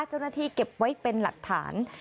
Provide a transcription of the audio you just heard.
เจ้าหน้าที่เก็บไว้เป็นหลักฐาน